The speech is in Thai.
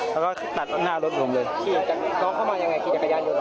แล้วก็ตัดหน้ารถผมเลยขี่จากน้องเข้ามายังไงขี่จักรยานยน